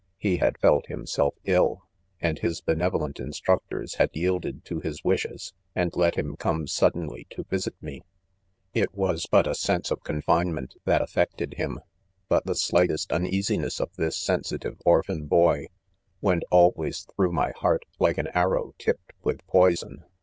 He had felt himself ill, and his benevolent instructors had yielded to his wishes, and let him come sud denly to visit me. £ It was but a sense of confinement that af fected him £butthe slightest uneasiness of this sensitive orphan boy, went always through my heart, like an arrow tipped with poison.